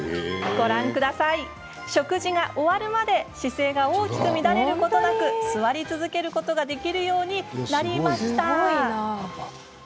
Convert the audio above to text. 食事が終わるまで姿勢が大きく乱れることなく座り続けることができるようになりました。